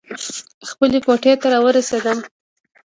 خپلې کوټې ته راورسېدم.